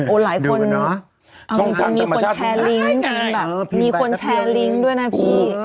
โอ้หลายคนมีคนแชร์ลิงค์ด้วยนะพี่